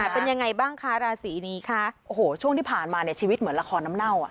เป็นยังไงบ้างคะราศีนี้คะโอ้โหช่วงที่ผ่านมาเนี่ยชีวิตเหมือนละครน้ำเน่าอ่ะ